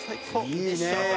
いいね！